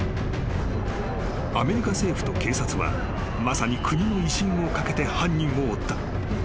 ［アメリカ政府と警察はまさに国の威信を懸けて犯人を追った］